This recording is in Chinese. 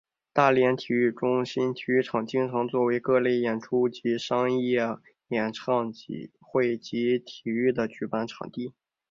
大连体育中心体育场经常作为各类演出及商业演唱会及体育的举办场地。